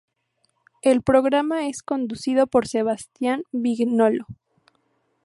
El programa es conducido por Sebastián Vignolo.